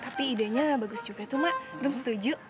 tapi idenya bagus juga tuh mak lo setuju